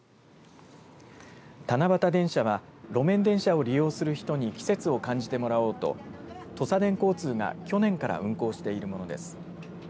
七夕電車は路面電車を利用する人に季節を感じてもらおうととさでん交通が去年から運行しているものです。